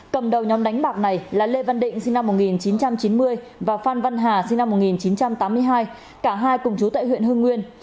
cầm đầu nhóm đánh bạc này là lê văn định sinh năm một nghìn chín trăm chín mươi và phan văn hà sinh năm một nghìn chín trăm tám mươi hai cả hai cùng chú tại huyện hưng nguyên